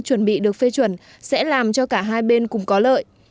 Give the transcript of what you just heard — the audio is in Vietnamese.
chuẩn bị được phê chuẩn sẽ làm cho cả hai bên cùng có lợi